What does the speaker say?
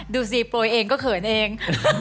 ดูสิโปรยเองก็เขินเอง